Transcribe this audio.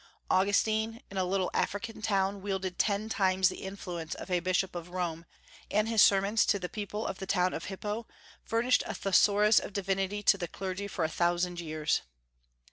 Augustine, in a little African town, wielded ten times the influence of a bishop of Rome, and his sermons to the people of the town of Hippo furnished a thesaurus of divinity to the clergy for a thousand years.